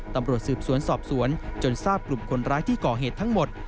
ตำรวจสืบสวนสอบสวนจนทราบกลุ่มคนร้ายที่ก่อเหตุทั้งหมด